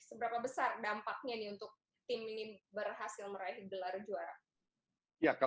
seberapa besar dampaknya nih untuk tim ini berhasil meraih gelar juara